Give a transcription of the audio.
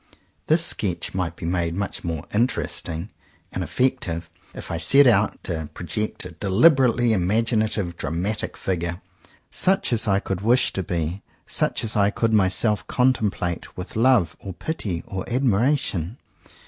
This sketch might be made much more interesting and effective, if I set out to project a deliberately imaginative dramatic figure, such as I could wish to be, such as I could myself contemplate with love or pity or admiration.